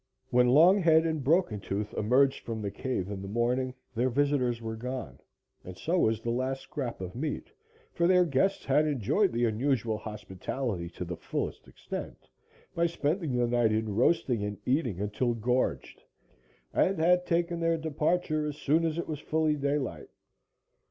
When Longhead and Broken Tooth emerged from the cave in the morning, their visitors were gone, and so was the last scrap of meat, for their guests had enjoyed the unusual hospitality to the fullest extent, by spending the night in roasting and eating until gorged, and had taken their departure as soon as it was fully daylight.